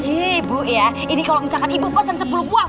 hei bu ya ini kalo misalkan ibu pesen sepuluh buah